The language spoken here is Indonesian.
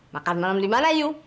makan malam di mana you